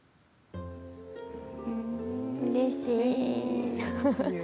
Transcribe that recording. うれしい。